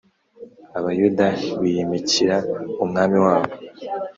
abayuda biyimikira umwami wabo